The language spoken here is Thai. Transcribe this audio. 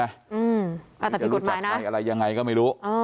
อาจจะรู้จักใครอะไรยังไงก็ไม่รู้